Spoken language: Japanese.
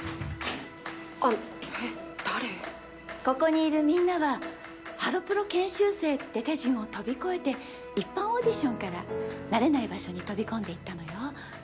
ここにいるみんなはハロプロ研修生って手順を飛び越えて一般オーディションから慣れない場所に飛び込んでいったのよ。